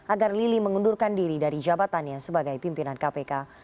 agar lili mengundurkan diri dari jabatannya sebagai pimpinan kpk